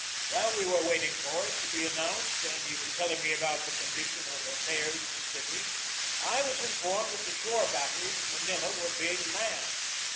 While we were waiting for it to be announced and he was telling me about the condition of affairs in the city, I was in formed that the shore batteries of Manila were being manned.